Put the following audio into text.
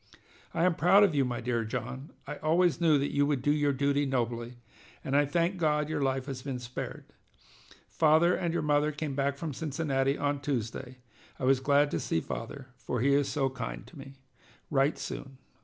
"I am proud of you, my dear John. I always knew you would do your duty nobly, and I thank God your life has been spared. Father and your mother came back from Cincinnati on Tuesday. I was glad to see father, for he is so kind to me. Write soon."